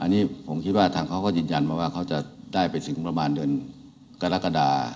อันนี้ผมคิดว่าทางเขาก็ยินยันว่าเขาจะได้เป็นสิ่งประมาณกับเมืองกรกฎา